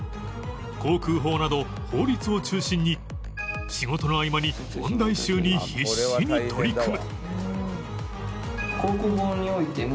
航空法など法律を中心に仕事の合間に問題集に必死に取り組む